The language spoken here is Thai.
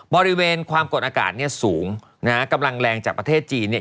บริเวณความกดอากาศเนี่ยสูงนะฮะกำลังแรงจากประเทศจีนเนี่ย